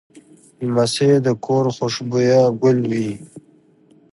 لمسی د کور خوشبویه ګل وي.